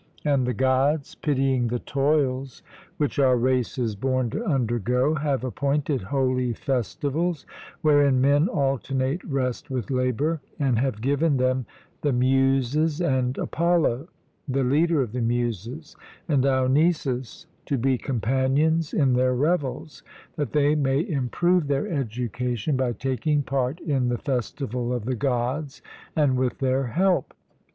And the Gods, pitying the toils which our race is born to undergo, have appointed holy festivals, wherein men alternate rest with labour; and have given them the Muses and Apollo, the leader of the Muses, and Dionysus, to be companions in their revels, that they may improve their education by taking part in the festivals of the Gods, and with their help.